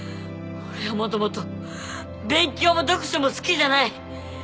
俺はもともと勉強も読書も好きじゃない。